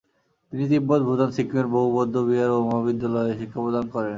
তিনি তিব্বত, ভুটান, সিক্কিমের বহু বৌদ্ধবিহার ও মহাবিদ্যালয়ে শিক্ষাপ্রদান করেন।